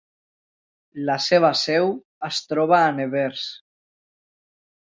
La seva seu es troba a Nevers.